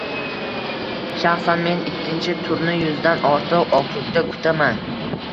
Shaxsan men ikkinchi turni yuzdan ortiq okrugda kutaman